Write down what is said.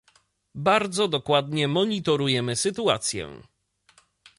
Bardzo dokładnie monitorujemy sytuację